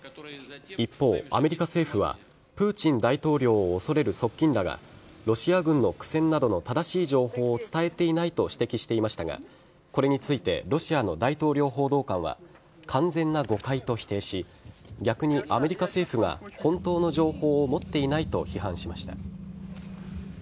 一方、アメリカ政府はプーチン大統領を恐れる側近らがロシア軍の苦戦などの正しい情報を伝えていないと指摘していましたがこれについてロシアの大統領報道官は完全な誤解と否定し逆にアメリカ政府が本当の情報を持っていないと批判しました。